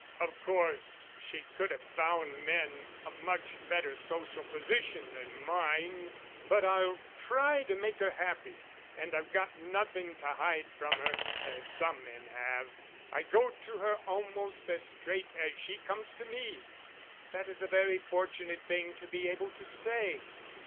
"Of course, she could have found men of much better social position than mine but I'll try to make her happy. And I've got nothing to hide from her as some men have; I go to her almost as straight as she comes to me." "That is a very fortunate thing to be able to say."